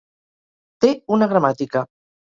Té una gramàtica.